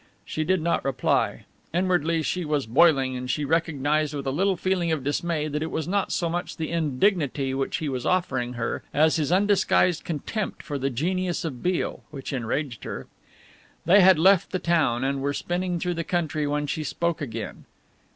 She did not reply. Inwardly she was boiling, and she recognized with a little feeling of dismay that it was not so much the indignity which he was offering her, as his undisguised contempt for the genius of Beale, which enraged her. They had left the town and were spinning through the country when she spoke again.